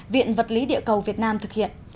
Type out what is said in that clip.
viện vật lý địa cầu việt nam thực hiện